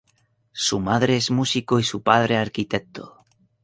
Su madre es músico y su padre, arquitecto.